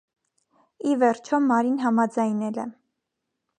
Ի վերջո, Մարին համաձայնել է։